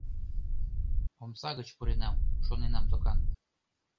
Омса гыч пуренам, шоненам докан.